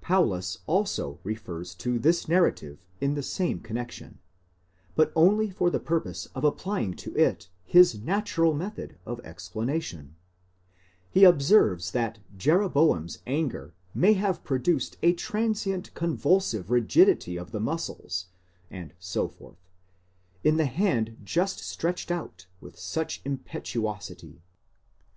Paulus also refers to this narrative in the same connexion, but only for the purpose of applying to it his natural method of explanation ; he observes that Jeroboam's anger may have produced a transient convulsive rigidity of the muscles and so forth, in the hand just stretched out with such impetuosity.